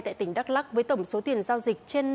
tại tỉnh đắk lắc với tổng số tiền giao dịch trên